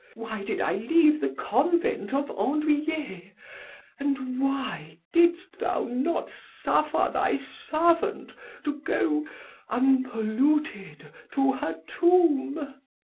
why did I leave the convent of Andoüillets? and why didst thou not suffer thy servant to go unpolluted to her tomb?